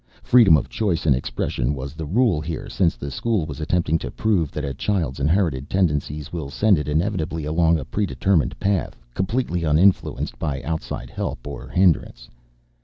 Freedom of choice and expression was the rule here, since the school was attempting to prove that a child's inherited tendencies will send it inevitably along a predetermined path, completely uninfluenced by outside help or hindrance.